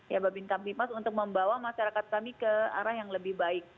ya babin kamtimas untuk membawa masyarakat kami ke arah yang lebih baik